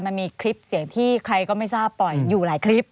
มันมีคลิปเสียงที่ใครก็ไม่ทราบปล่อยอยู่หลายคลิป